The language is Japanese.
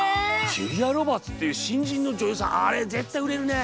ジュリア・ロバーツっていう新人の女優さんあれ絶対売れるね。